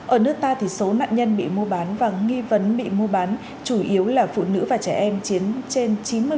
ở nước ta thì số nạn nhân bị mua bán và nghi vấn bị mua bán chủ yếu là phụ nữ và trẻ em chiếm trên chín mươi